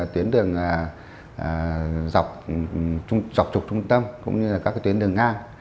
tuyến đường dọc trục trung tâm cũng như là các tuyến đường ngang